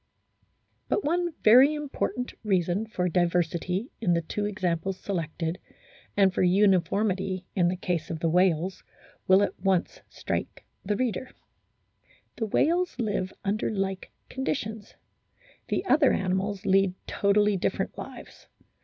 But one very important reason for diversity in the two examples selected, and for uniformity in the case 6 A BOOK OF WHALES of the whales, will at once strike the reader. The whales live under like conditions ; the other animals lead totally different lives.